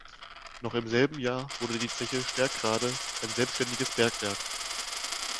Noch im selben Jahr wurde die Zeche Sterkrade ein selbstständiges Bergwerk.